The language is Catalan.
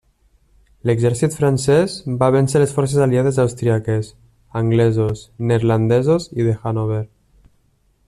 L'exèrcit francès va vèncer les forces aliades austríaques, anglesos, neerlandesos i de Hannover.